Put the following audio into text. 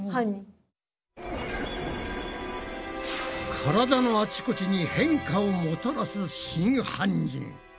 体のあちこちに変化をもたらす真犯人。